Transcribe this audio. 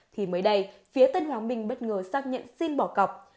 thì mới đây phía tân hoàng minh bất ngờ xác nhận xin bỏ cọc